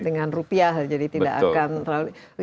dengan rupiah jadi tidak akan terlalu